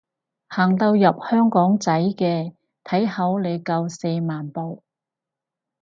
行到入香港仔嘅，睇好你夠四萬步